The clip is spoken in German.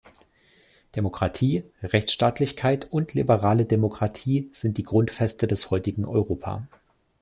Demokratie, Rechtsstaatlichkeit und liberale Demokratie sind die Grundfeste des heutigen Europa.